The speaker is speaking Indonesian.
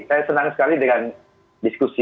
saya senang sekali dengan diskusi